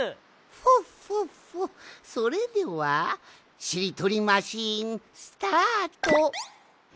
フォッフォッフォそれではしりとりマシーンスタート！